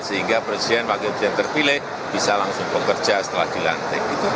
sehingga presiden wakil presiden terpilih bisa langsung bekerja setelah dilantik